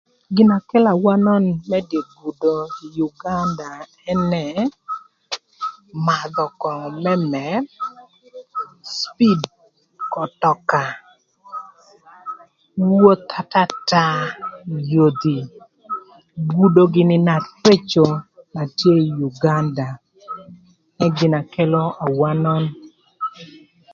Gina kelo awanon më dye gudo ï Uganda ënë madhö köngö më mër, cipid k'ötöka, woth atata ï yodhi, gudo gïnï na reco na tye ï Uganda ënë gin na kelo awanon.